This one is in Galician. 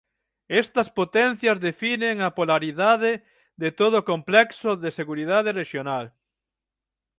Estas potencias definen a polaridade de todo complexo de seguridade rexional.